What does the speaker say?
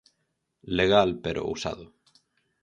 Legal, pero ousado.